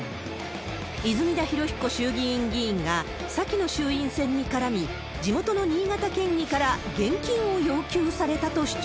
泉田裕彦衆議院議員が、先の衆院選に絡み、地元の新潟県議から現金を要求されたと主張。